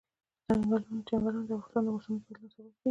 چنګلونه د افغانستان د موسم د بدلون سبب کېږي.